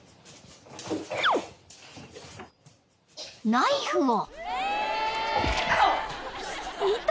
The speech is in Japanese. ［ナイフを］